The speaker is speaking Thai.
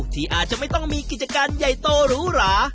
ที่อาจจะไม่ต้องมีกิจการใหญ่โตหรูหรา